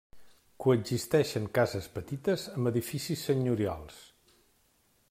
Coexisteixen cases petites amb edificis senyorials.